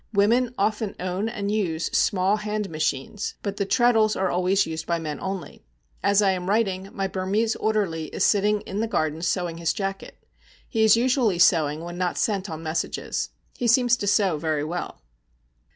Women often own and use small hand machines, but the treadles are always used by men only. As I am writing, my Burmese orderly is sitting in the garden sewing his jacket. He is usually sewing when not sent on messages. He seems to sew very well.